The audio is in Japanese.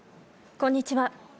こんにちは。